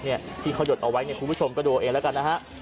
เนี่ยที่เขาหยดเอาไว้คุณผู้ชมก็ดูเองแล้วกันนะฮะ